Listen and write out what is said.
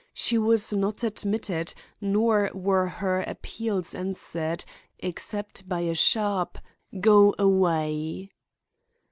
She was not admitted, nor were her appeals answered, except by a sharp "Go away!"